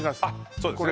そうですね